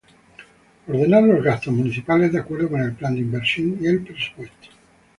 Ordenar los gastos municipales de acuerdo con el plan de inversión y el presupuesto.